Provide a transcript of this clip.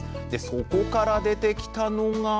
そこから出てきたのが？